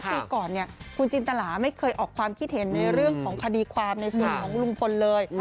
ปีก่อนเนี่ยคุณจินตลาไม่เคยออกความคิดเห็นในเรื่องของคดีความในส่วนของลุงพลเลย